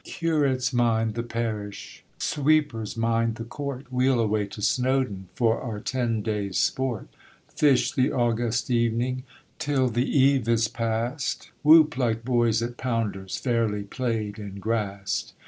Curates mind the parish, Sweepers mind the court; We'll away to Snowdon For our ten days' sport; Fish the August evening Till the eve is past, Whoop like boys, at pounders Fairly played and grassed.